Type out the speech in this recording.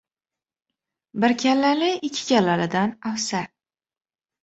• Bir kallali ikki kallalidan afzal.